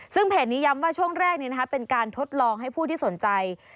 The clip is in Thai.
ซึ่งเพจนี้ย้ำว่าช่วงแรกเป็นการทดลองให้ผู้ที่สนใจ